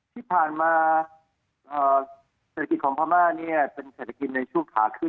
ที่ผ่านมาเศรษฐกิจของพม่าเนี่ยเป็นเศรษฐกิจในช่วงขาขึ้น